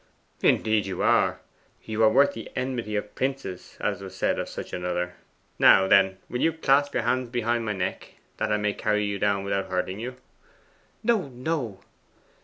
'Indeed you are. You are worth the enmity of princes, as was said of such another. Now, then, will you clasp your hands behind my neck, that I may carry you down without hurting you?' 'No, no.